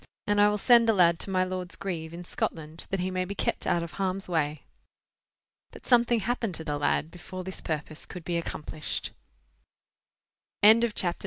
And I will send the lad to my lord's grieve, in Scotland, that he may be kept out of harm's way." But something happened to the lad before this purpose could be accomplished. CHAPTER X.